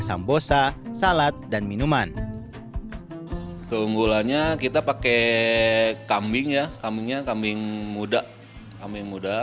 lambosa salat dan minuman keunggulannya kita pakai kambing ya kamu nya kambing muda muda